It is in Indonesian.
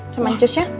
sama ancus ya